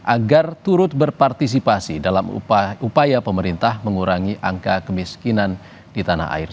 agar turut berpartisipasi dalam upaya pemerintah mengurangi angka kemiskinan di tanah air